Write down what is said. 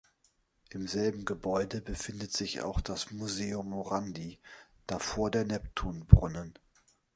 Im selben Gebäude befindet sich auch das Museo Morandi, davor der Neptunbrunnen.